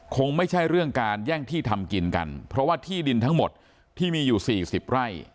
คงไม่ใช่เรื่องการแย่งที่ทำกินกันเพราะว่าที่ดินทั้งหมดที่มีอยู่สี่สิบไร่